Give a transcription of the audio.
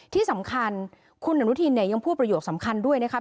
ที่สำคัญคุณอนุทินเนี่ยยังพูดประโยคสำคัญด้วยนะคะ